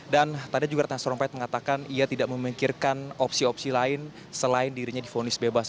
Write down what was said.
dan tadi juga ratang sarumpait mengatakan ia tidak memikirkan opsi opsi lain selain dirinya difonis bebas